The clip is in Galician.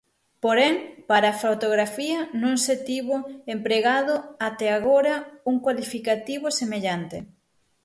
Porén, para a fotografía non se tivo empregado até agora un cualificativo semellante.